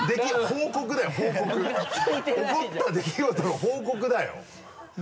起こった出来事の報告だよ。